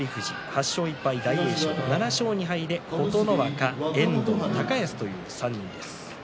８勝１敗、大栄翔７勝２敗で琴ノ若、遠藤高安という３人です。